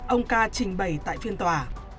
ông ca trình bày tại phiên tòa